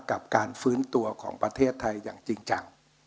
กับการฟื้นตัวของประเทศไทยอย่างจริงจัง